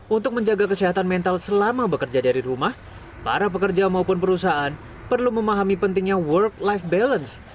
untuk menjaga kesehatan mental selama bekerja dari rumah para pekerja maupun perusahaan perlu memahami pentingnya world life balance